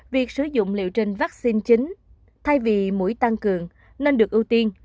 việc sử dụng liệu trình vaccine chính thay vì mũi tăng cường nên được ưu tiên